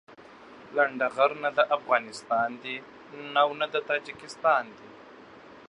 لنډغر نه افغانستان دي او نه د تاجيکستان دي.